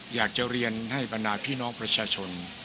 อยากจะเรียนให้บรรดาพี่น้องประชาชน